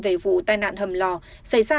về vụ tai nạn hầm lò xảy ra